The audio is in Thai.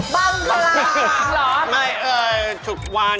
บางเวลา